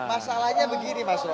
masalahnya begini mas romi